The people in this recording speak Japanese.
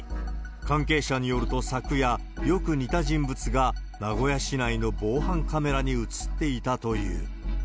関係者によると、昨夜、よく似た人物が名古屋市内の防犯カメラに映っていたという。